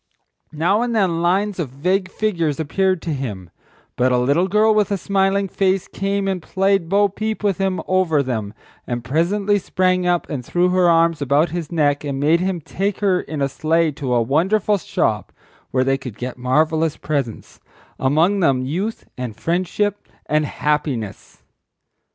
—Now and then lines of vague figures appeared to him, but a little girl with a smiling face came and played bo peep with him over them, and presently sprang up and threw her arms about his neck and made him take her in a sleigh to a wonderful shop where they could get marvellous presents; among them Youth, and Friendship, and Happiness.